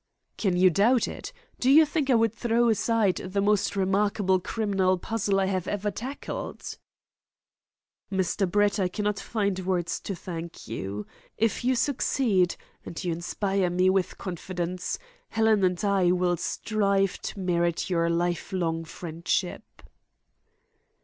"Can you doubt it? Do you think I would throw aside the most remarkable criminal puzzle I have ever tackled?" "Mr. Brett, I cannot find words to thank you. If you succeed and you inspire me with confidence Helen and I will strive to merit your lifelong friendship."